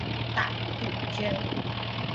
大杜鹃。